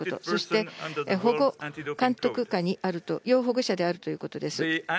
そして、保護監督下にあると、要保護者であるということです。